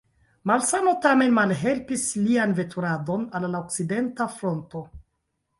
Malsano tamen malhelpis lian veturadon al la Okcidenta Fronto.